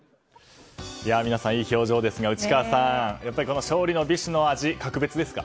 皆さん、いい表情ですが内川さん、やっぱりこの勝利の美酒の味、格別ですか？